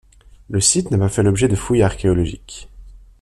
Le site n'a pas fait l'objet de fouille archéologique.